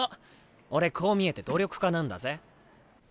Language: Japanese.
俺こう見えて努力家なんだぜ。